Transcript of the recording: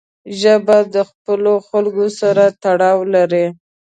ژبه د خپلو خلکو سره تړاو لري